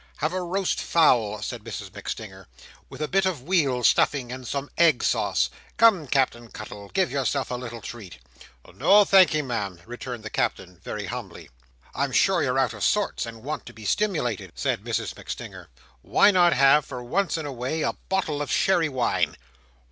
"Have a roast fowl," said Mrs MacStinger, "with a bit of weal stuffing and some egg sauce. Come, Cap'en Cuttle! Give yourself a little treat!" "No thank'ee, Ma'am," returned the Captain very humbly. "I'm sure you're out of sorts, and want to be stimulated," said Mrs MacStinger. "Why not have, for once in a way, a bottle of sherry wine?"